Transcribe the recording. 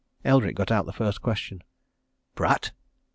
Eldrick got out the first question. "Pratt?"